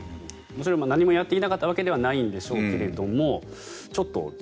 もちろん何もやっていなかったわけではないんでしょうけれどちょっと。